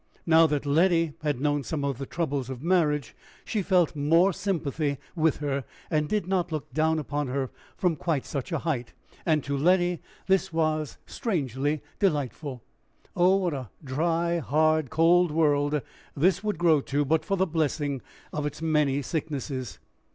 Now that Letty had known some of the troubles of marriage, she felt more sympathy with her, did not look down upon her from quite such a height, and to Letty this was strangely delightful. Oh, what a dry, hard, cold world this would grow to, but for the blessing of its many sicknesses!